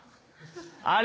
あれ。